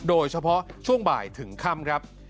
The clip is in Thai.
โดยเฉพาะช่วงบ่ายถึงค่ำครับ